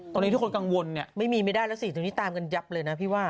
ตอนนี้ทุกคนกังวลเนี่ยไม่มีไม่ได้แล้วสิตรงนี้ตามกันยับเลยนะพี่ว่า